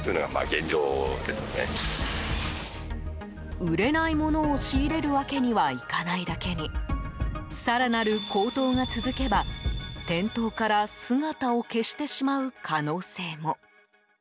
売れないものを仕入れるわけにはいかないだけに更なる高騰が続けば、店頭から姿を消してしまう可能性も。